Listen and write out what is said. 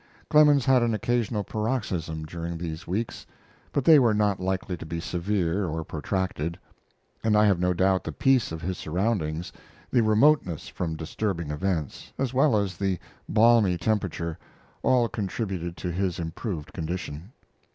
Clemens had an occasional paroxysm during these weeks, but they were not likely to be severe or protracted; and I have no doubt the peace of his surroundings, the remoteness from disturbing events, as well as the balmy temperature, all contributed to his improved condition.